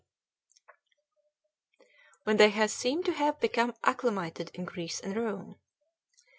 C., when they seem to have become acclimated in Greece and Rome.